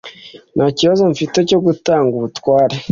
Ntakibazo mfite cyo gutanga ubutware